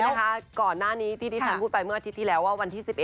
เรื่องเลิกดีที่ดิฉันพูดไปเหมือนอาทิตย์ที่แล้วว่าวันที่๑๑